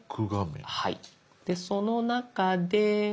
その中で。